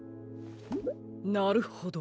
なるほど。